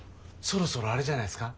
そろそろあれじゃないですか？